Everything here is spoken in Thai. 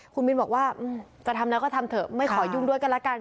คุณมินบอกว่าจะทำแล้วก็ทำเถอะไม่ขอยุ่งด้วยกันละกัน